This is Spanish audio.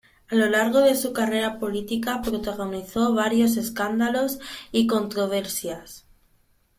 A lo largo de su carrera política protagonizó varios escándalos y controversias.